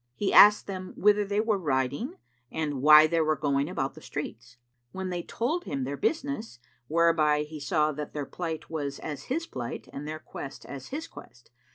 He asked them whither they were riding and why they were going about the streets; when they told him their business, whereby he saw that their plight was as his plight and their quest as his quest.